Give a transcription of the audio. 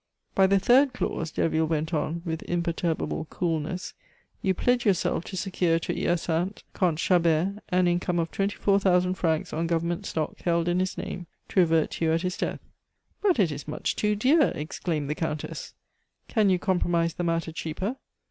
"By the third clause," Derville went on, with imperturbable coolness, "you pledge yourself to secure to Hyacinthe Comte Chabert an income of twenty four thousand francs on government stock held in his name, to revert to you at his death " "But it is much too dear!" exclaimed the Countess. "Can you compromise the matter cheaper?"